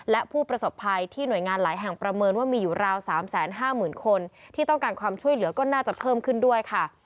และผู้ประสบภัยที่หน่วยงานหลายแห่งประเมินว่ามีอยู่ราว๓๕๐๐๐คนที่ต้องการความช่วยเหลือก็น่าจะเพิ่มขึ้นด้วยค่ะ